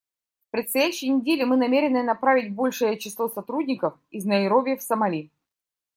В предстоящие недели мы намерены направить большее число сотрудников из Найроби в Сомали.